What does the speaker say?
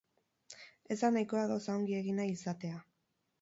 Ez da nahikoa gauzak ongi egin nahi izatea.